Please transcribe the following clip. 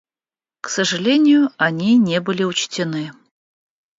К сожалению, они не были учтены.